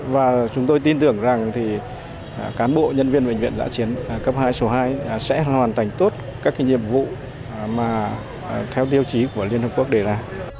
và chúng tôi tin tưởng rằng cán bộ nhân viên bệnh viện giã chiến cấp hai số hai sẽ hoàn thành tốt các nhiệm vụ mà theo tiêu chí của liên hợp quốc đề ra